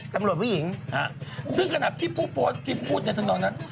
ตำรวจผู้หญิงฮะซึ่งกระดับที่ผู้พูดในทางดอนนั้น